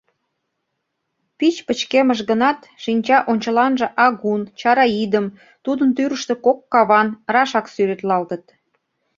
Пич пычкемыш гынат, шинча ончыланже агун, чара идым, тудын тӱрыштӧ кок каван рашак сӱретлалтыт.